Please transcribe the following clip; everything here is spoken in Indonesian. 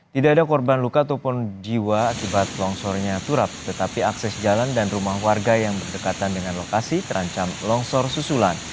tidak ada korban luka ataupun jiwa akibat longsornya turap tetapi akses jalan dan rumah warga yang berdekatan dengan lokasi terancam longsor susulan